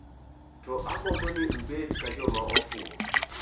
To agombo ni ubed ka joma ofuwo.